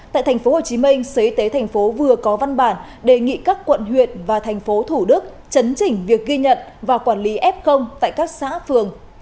tại thành phố hồ chí minh sở y tế thành phố vừa có văn bản đề nghị các quận huyện và thành phố thủ đức chấn chỉnh việc ghi nhận và quản lý f tại các xã phường